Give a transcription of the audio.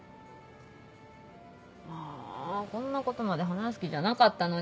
ああこんなことまで話す気じゃなかったのに。